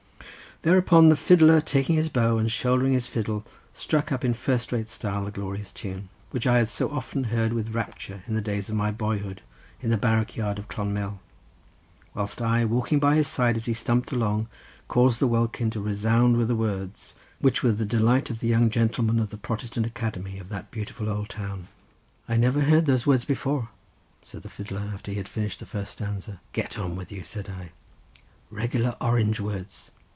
Thereupon the fiddler, taking his bow and shouldering his fiddle, struck up in first rate style the glorious tune, which I had so often heard with rapture in the days of my boyhood in the barrack yard of Clonmel; whilst I, walking by his side as he stumped along, caused the welkin to resound with the words, which were the delight of the young gentlemen of the Protestant academy of that beautiful old town. "I never heard those words before," said the fiddler, after I had finished the first stanza. "Get on with you," said I. "Regular Orange words!"